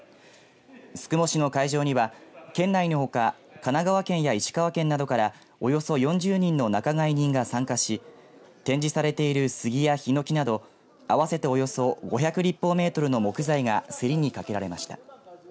宿毛市の会場には県内のほか神奈川県や石川県などからおよそ４０人の仲買人が参加し展示されているスギやヒノキなど合わせておよそ５００立方メートルの木材が競りにかけられました。